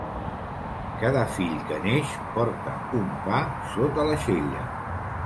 Cada fill que neix porta un pa sota l'aixella.